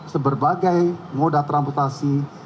sebagai moda transportasi